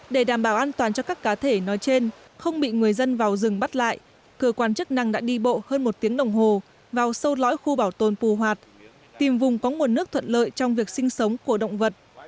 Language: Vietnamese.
để đảm bảo an toàn cho các cá thể nói trên không bị người dân vào rừng bắt lại cơ quan chức năng đã đi bộ hơn một tiếng đồng hồ vào sâu lõi khu bảo tồn phù hoạt tìm vùng có nguồn nước thuận lợi trong việc sinh sống của động vật